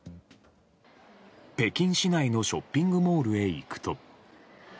北京市内のショッピングモールへ行くと。